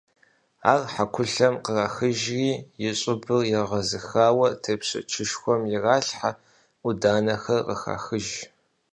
Ар хьэкулъэм кърахыжри, и щӀыбыр егъэзыхауэ тепщэчышхуэм иралъхьэ, Ӏуданэхэр къыхахыж.